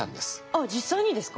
あっ実際にですか？